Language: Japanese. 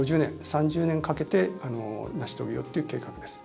３０年かけて成し遂げようという計画です。